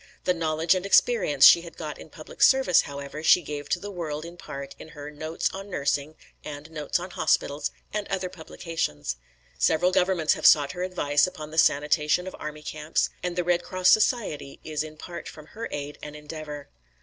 The knowledge and experience she had got in public service, however, she gave to the world in part in her "Notes on Nursing" and "Notes on Hospitals," and other publications. Several Governments have sought her advice upon the sanitation of army camps, and the Red Cross Society is in part from her aid and endeavour.